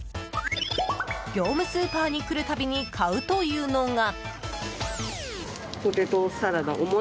業務スーパーに来るたびに買うというのが。